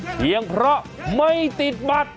เพียงเพราะไม่ติดบัตร